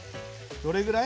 どれぐらい？